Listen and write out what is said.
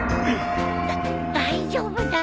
だ大丈夫だよ。